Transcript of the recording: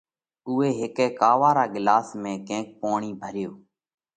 اُوئہ هيڪا ڪاوا را ڳِلاس ۾ ڪينڪ پوڻِي ڀريو۔